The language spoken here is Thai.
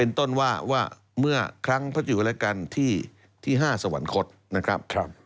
ต้นว่าว่าเมื่อครั้งพระจุวรกันที่๕สวรรคตนะครับ